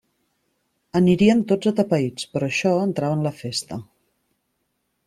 Anirien tots atapeïts, però això entrava en la festa.